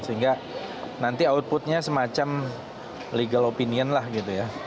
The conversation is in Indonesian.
sehingga nanti outputnya semacam legal opinion lah gitu ya